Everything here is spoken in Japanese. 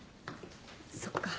そっか。